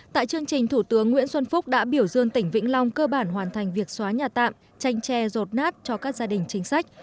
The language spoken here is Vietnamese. tại chương trình thủ tướng nguyễn xuân phúc đã biểu dương tỉnh vĩnh long cơ bản hoàn thành việc xóa nhà tạm tranh tre rột nát cho các gia đình chính sách